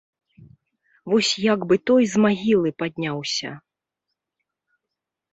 Вось як бы той з магілы падняўся.